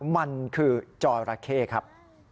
มันคือจอร์แค่ครับ